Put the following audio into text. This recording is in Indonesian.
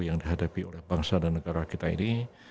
yang dihadapi oleh bangsa dan negara kita ini